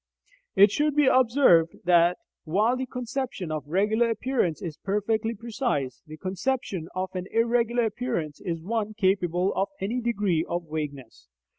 It should be observed that, while the conception of a regular appearance is perfectly precise, the conception of an irregular appearance is one capable of any degree of vagueness.